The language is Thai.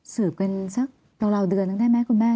สืบกันสักราวเดือนนึงได้ไหมคุณแม่